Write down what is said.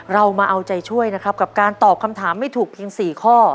เรามาเอาใจช่วยนะครับกับการตอบคำถามให้ถูกเพียง๔ข้อ